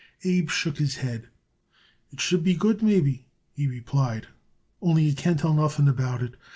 Abe shook his head. "It should be good, maybe," he replied; "only, you can't tell nothing about it.